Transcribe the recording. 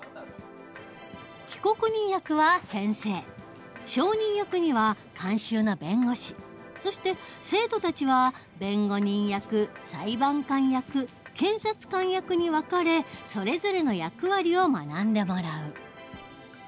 被告人役は先生証人役には監修の弁護士そして生徒たちは弁護人役裁判官役検察官役に分かれそれぞれの役割を学んでもらう。